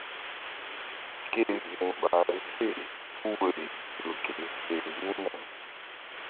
Ke ziŋ ɓahri se puh woyri ƴo ke fe ziŋna.